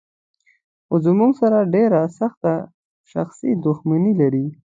خو زموږ سره ډېره سخته شخصي دښمني لري.